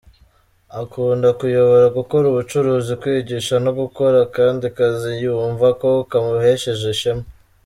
Akunda kuyobora, gukora ubucuruzi, kwigisha no gukora akandi kazi yumva ko kamuhesheje ishema.